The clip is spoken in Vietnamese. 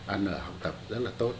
ăn ở học tập rất là tốt